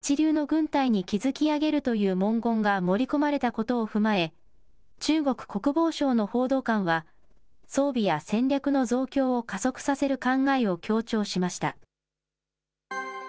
先の中国共産党大会で改正された党規約に、中国軍を世界一流の軍隊に築き上げるという文言が盛り込まれたことを踏まえ、中国国防省の報道官は、装備や戦略の増強を加速させる考えを強調しました。